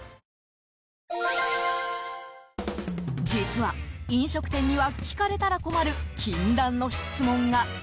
実は、飲食店には聞かれたら困る禁断の質問が。